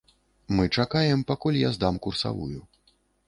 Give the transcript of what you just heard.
Мы чакаем, пакуль я здам курсавую.